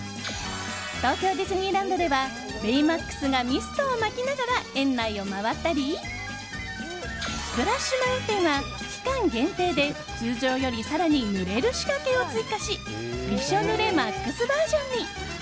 東京ディズニーランドではベイマックスがミストをまきながら園内を回ったりスプラッシュ・マウンテンは期間限定で通常より更にぬれる仕掛けを追加しびしょ濡れＭＡＸバージョンに。